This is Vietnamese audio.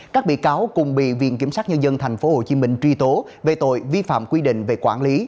các bị cáo cùng bị viện kiểm sát nhân dân tp hcm truy tố về tội vi phạm quy định về quản lý